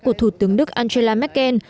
của thủ tướng đức angela merkel